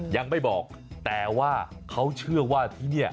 ยังไม่บอกแต่ว่าเขาเชื่อว่าที่นี่